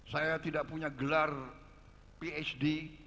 saya tidak punya gelar psd